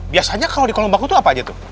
biasanya kalau di kolong bangku tuh apa aja tuh